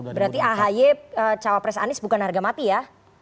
berarti ahy cawapres anies bukan harga mati ya